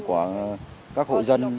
của các hộ dân